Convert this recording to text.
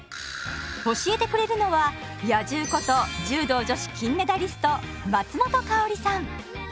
教えてくれるのは「野獣」こと柔道女子金メダリスト松本薫さん。